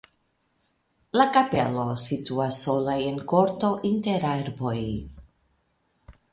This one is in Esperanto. La kapelo situas sola en korto inter arboj.